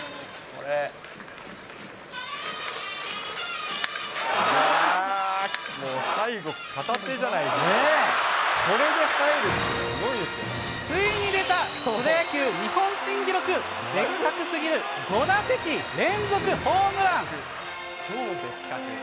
これで入るって、ついに出た、プロ野球日本新記録、ベッカクすぎる、５打席連続ホームラン。